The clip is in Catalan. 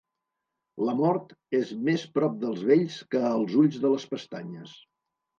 La mort és més prop dels vells que els ulls de les pestanyes.